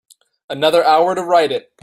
Another hour to write it.